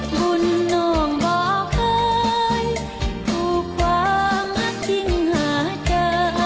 บุญน้องบอกเคยหูความอักยิงหาเจอ